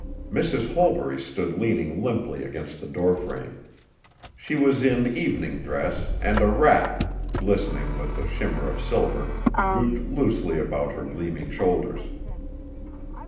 Mrs. Holbury stood leaning limply against the door frame. She was in evening dress, and a wrap, glistening with the shimmer of silver, drooped loosely about her gleaming shoulders.